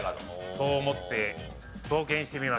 そう思って冒険してみました。